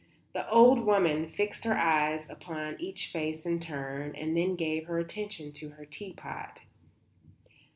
The old woman fixed her eyes upon each face in turn and then gave her attention to her tea pot.